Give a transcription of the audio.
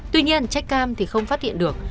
tuy nhiên trách cam thì không phát hiện được